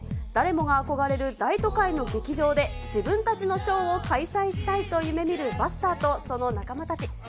誰もが憧れる大都会の劇場で、自分たちのショーを開催したいと夢みるバスターとその仲間たち。